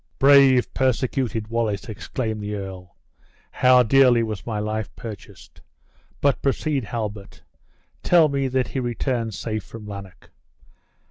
"Brave, persecuted Wallace!" exclaimed the earl; "how dearly was my life purchased! But proceed, Halbert; tell me that he returned safe from Lanark."